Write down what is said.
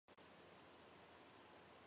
出生于萨克森州的福格特兰。